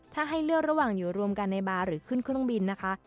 ถ้าให้เลือกระหว่างอยู่รวมกันในบาร์หรือขึ้นเครื่องบินนะคะ